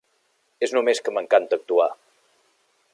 És només que m'encanta actuar.